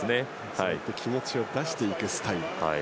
そうして気持ちを出していくスタイル。